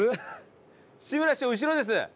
志村師匠後ろです！